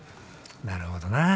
なるほどなぁ。